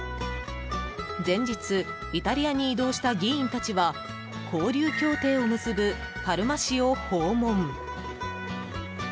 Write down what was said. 前日、イタリアに移動した議員たちは交流協定を結ぶパルマ市を訪問。